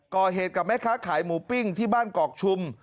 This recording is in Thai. กับแม่ค้าขายหมูปิ้งที่บ้านกอกชุม